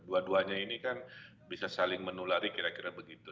dua duanya ini kan bisa saling menulari kira kira begitu